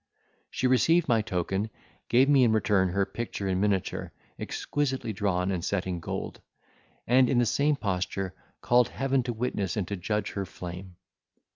She received my token, gave me in return her picture in miniature, exquisitely drawn and set in gold; and, in the same posture, called Heaven to witness and to judge her flame.